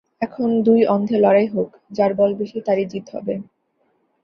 এখন দুই অন্ধে লড়াই হোক, যার বল বেশি তারই জিত হবে।